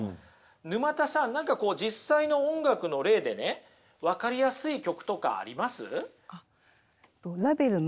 沼田さん何か実際の音楽の例でね分かりやすい曲とかあります？